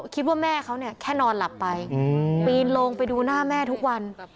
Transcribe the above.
คิดว่าแม่เขาเนี่ยแค่นอนหลับไปปีนลงไปดูหน้าแม่ทุกวัน